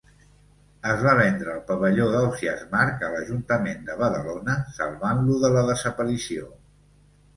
Es va vendre el Pavelló d'Ausiàs March a l'Ajuntament de Badalona, salvant-lo de la desaparició.